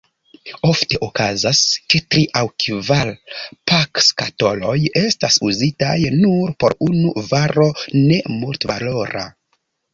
Ofte okazas, ke tri aŭ kvar pakskatoloj estas uzitaj nur por unu varo nemultvalora.